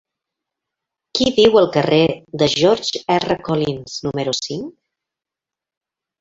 Qui viu al carrer de George R. Collins número cinc?